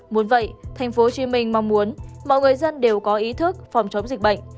muốn vậy tp hcm mong muốn mọi người dân đều có ý thức phòng chống dịch bệnh